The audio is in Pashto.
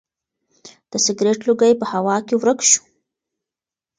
د سګرټ لوګی په هوا کې ورک شو.